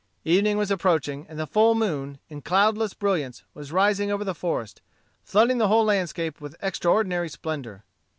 Evening was approaching, and the full moon, in cloudless brilliance, was rising over the forest, flooding the whole landscape with extraordinary splendor.